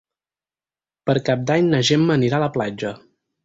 Per Cap d'Any na Gemma anirà a la platja.